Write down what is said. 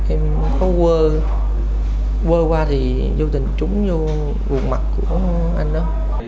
em có quơ quơ qua thì vô tình trúng vô vùng mặt của anh đó